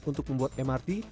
untuk membuat mrt